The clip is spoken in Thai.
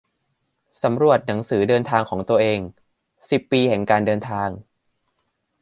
สำรวจหนังสือเดินทางของตัวเอง สิบปีแห่งการเดินทาง